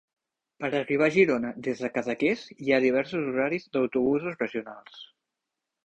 Per arribar a Girona des de Cadaqués, hi ha diversos horaris d'autobusos regionals.